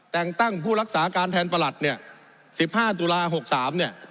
แต่งตั้งผู้รักษาการแทนประหลัดเนี่ย๑๕ตุลา๖๓เนี่ย